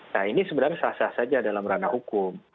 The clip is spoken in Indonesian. nah ini sebenarnya sah sah saja dalam ranah hukum